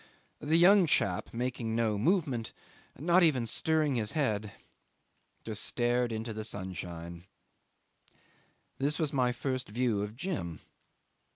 The young chap, making no movement, not even stirring his head, just stared into the sunshine. This was my first view of Jim.